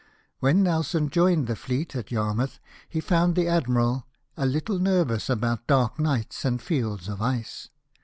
When Nelson joined the fleet at Yarmouth he found the admiral *'a Httle nervous about dark nights and fields of ice."